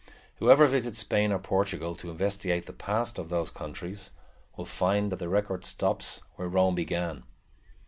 Whoever visits Spain or Portugal, to investigate the past of those countries, will find that the record stops where Rome began.